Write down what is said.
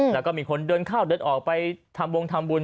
แล้วก็มีคนเดินเข้าเดินออกไปทำวงทำบุญ